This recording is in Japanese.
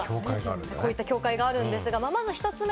こういった協会があるんですが、まず１つ目。